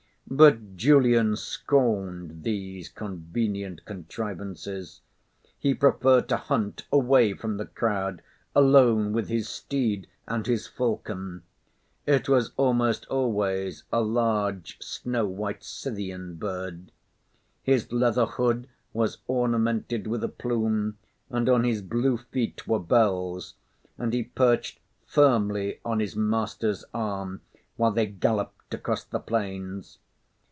But Julian scorned these convenient contrivances; he preferred to hunt away from the crowd, alone with his steed and his falcon. It was almost always a large, snow white, Scythian bird. His leather hood was ornamented with a plume, and on his blue feet were bells; and he perched firmly on his master's arm while they galloped across the plains.